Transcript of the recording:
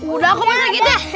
udah aku minta kita